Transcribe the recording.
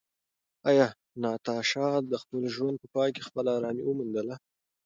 ایا ناتاشا د خپل ژوند په پای کې خپله ارامي وموندله؟